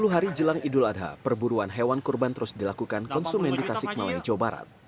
sepuluh hari jelang idul adha perburuan hewan kurban terus dilakukan konsumen di tasik malaya jawa barat